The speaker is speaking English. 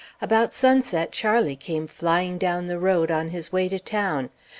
About sunset, Charlie came flying down the road, on his way to town.